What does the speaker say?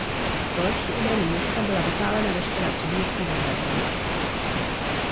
Pro lepší obranu města byla vypálena veškerá předměstí za hradbami.